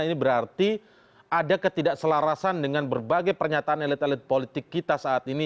ini berarti ada ketidakselarasan dengan berbagai pernyataan elit elit politik kita saat ini